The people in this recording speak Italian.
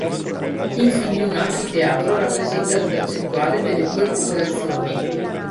Infine un anfiteatro rappresenta la percentuale delle due popolazioni.